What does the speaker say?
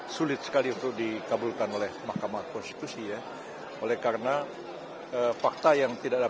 sulit sekali untuk dikabulkan